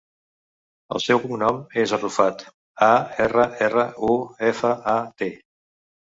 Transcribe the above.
El seu cognom és Arrufat: a, erra, erra, u, efa, a, te.